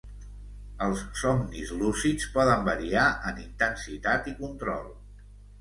Els somnis lúcids poden variar en intensitat i control